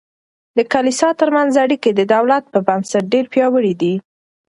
د کلیسا ترمنځ اړیکې د دولت په نسبت ډیر پیاوړي دي.